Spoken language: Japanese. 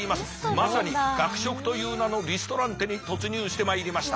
まさに学食という名のリストランテに突入してまいりました。